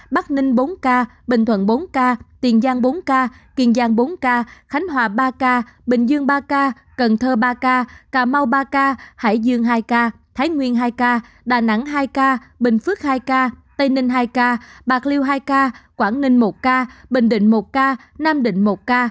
bắc ninh bốn ca bình thuận bốn ca tiền giang bốn ca kiên giang bốn ca khánh hòa ba ca bình dương ba ca cần thơ ba ca cà mau ba ca hải dương hai ca thái nguyên hai ca đà nẵng hai ca bình phước hai ca tây ninh hai ca bạc liêu hai ca quảng ninh một ca bình định một ca nam định một ca